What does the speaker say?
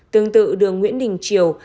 tương tự đường nguyễn đình triều